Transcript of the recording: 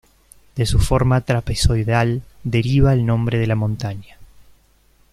De su forma trapezoidal deriva el nombre de la montaña.